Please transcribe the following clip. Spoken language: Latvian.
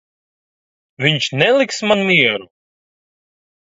Viņš neliks man mieru.